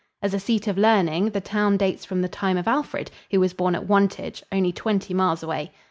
As a seat of learning, the town dates from the time of Alfred, who was born at Wantage, only twenty miles away.